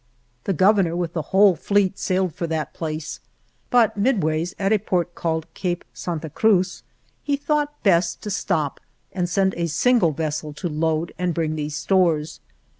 The Governor, with the whole fleet, sailed for that place, but midways, at a port named Cape Santa Cruz, he thought best to stop and send a single vessel to load and bring these stores.